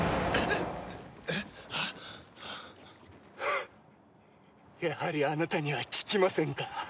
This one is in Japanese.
ハッやはりあなたには効きませんか。